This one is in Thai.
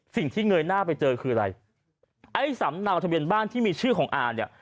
เงยหน้าไปเจอคืออะไรไอ้สำเนาทะเบียนบ้านที่มีชื่อของอาเนี่ย